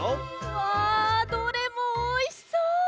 わどれもおいしそう！